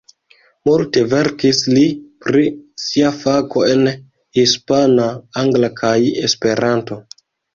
Multe verkis li pri sia fako en hispana, angla kaj esperanto.